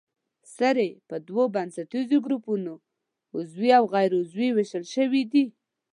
سرې په دوو بنسټیزو ګروپونو عضوي او غیر عضوي ویشل شوې دي.